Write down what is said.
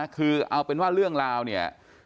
คือเอาเป็นว่าเรื่องราวเนี่ย